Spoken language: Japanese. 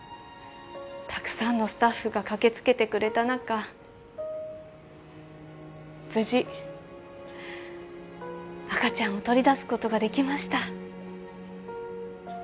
たくさんのスタッフが駆けつけてくれた中、無事、赤ちゃんを取り出すことができました。